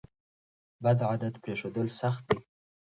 بد عادت پریښودل سخت دي.